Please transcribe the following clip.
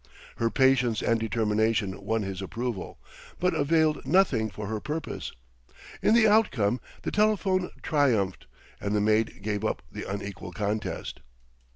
Her patience and determination won his approval, but availed nothing for her purpose; in the outcome the telephone triumphed and the maid gave up the unequal contest.